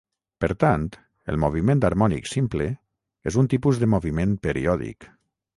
Per tant, el moviment harmònic simple és un tipus de moviment periòdic.